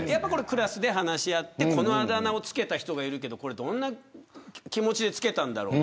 クラスで話し合ってこのあだ名を付けた人がいるけどどんな気持ちで付けたんだろう。